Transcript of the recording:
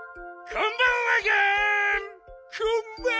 こんばんは！